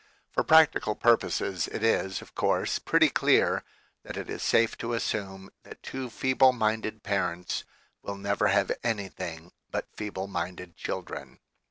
For prac tical purposes it is, of course, pretty clear that it is safe to assume that two feeble minded parents will never have anything but feeble minded children.